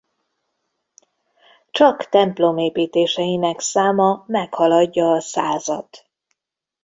Csak templomépítéseinek száma meghaladja a százat.